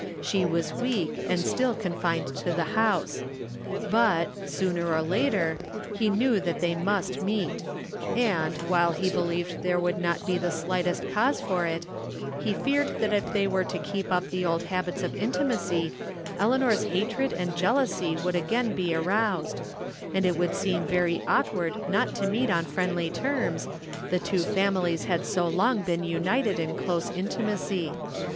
She was weak, and still confined to the house. But, sooner or later, he knew that they must meet ; and, while he believed there would not be the slightest cause for it, he feared that if they were to keep up the old habits of intimacy Eleanor's hatred and jealousy would again be aroused, and it would seem very awkward not to meet on friendly terms, the two families had so long been united in close intimacy.